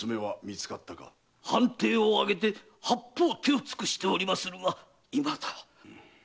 藩邸をあげて八方手をつくしておりますが未だ。